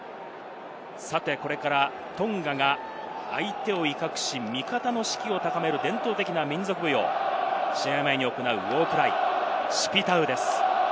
さて、これからトンガが相手を威嚇し、味方の士気を高める伝統的な民族舞踊、試合前に行うウォークライ、シピ・タウです。